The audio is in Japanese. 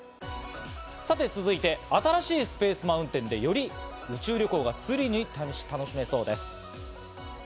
さて続いて、新しいスペース・マウンテンでより宇宙旅行がスリルに楽しめそうです。